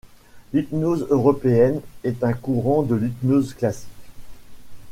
L'hypnose européenne est un courant de l'hypnose classique.